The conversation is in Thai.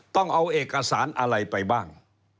ต้องเอาเอกสารอะไรไปบ้าง